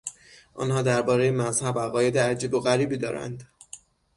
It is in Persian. آنها دربارهی مذهب عقاید عجیب و غریبی دارند.